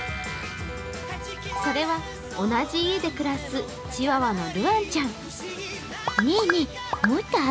それは同じ家で暮らすチワワのルアンちゃん。